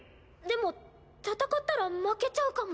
でも戦ったら負けちゃうかも。